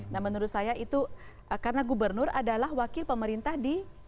nah menurut saya itu karena gubernur adalah wakil pemerintah di